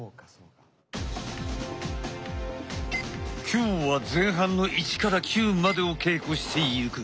今日は前半の１９までを稽古していく。